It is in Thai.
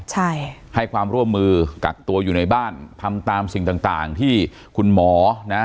ใช่ให้ความร่วมมือกักตัวอยู่ในบ้านทำตามสิ่งต่างต่างที่คุณหมอนะ